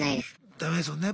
ダメですもんね。